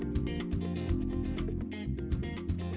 ia adalah mark hagi